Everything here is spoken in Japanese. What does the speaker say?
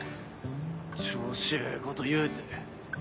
⁉調子ええこと言うて。